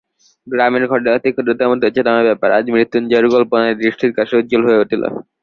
গ্রামের ঘরের অতি ক্ষুদ্রতম তুচ্ছতম ব্যাপার আজ মৃত্যুঞ্জয়ের কল্পনাদৃষ্টির কাছে উজ্জ্বল হইয়া উঠিল।